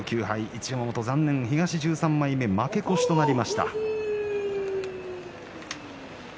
一山本、東１３枚目負け越しとなりました。